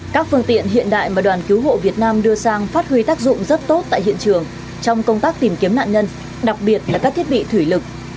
các phương tiện hiện đại mà đoàn cứu hộ việt nam đưa sang phát huy tác dụng rất tốt tại hiện trường trong công tác tìm kiếm nạn nhân đặc biệt là các thiết bị thủy lực